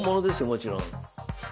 もちろん。